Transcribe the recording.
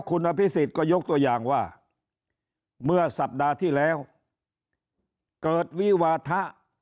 คุณอภิษฎก็ยกตัวอย่างว่าเมื่อสัปดาห์ที่แล้วเกิดวิวาทะ